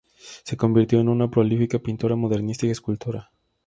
Se convirtió en una prolífica pintora modernista y escultora.